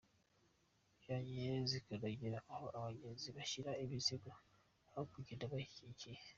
Byongeye zikanagira aho abagenzi bashyira imizigo aho kugenda bayikikiye.